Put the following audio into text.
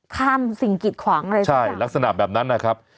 ข้ามสิ่งกิดขวางอะไรซักอย่างใช่ลักษณะแบบนั้นนะครับ